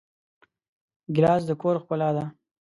ګیلاس د کور ښکلا ده.